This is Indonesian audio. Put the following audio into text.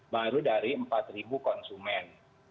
baru dari empat konsumen